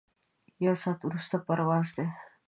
یو ساعت وروسته پرواز دی.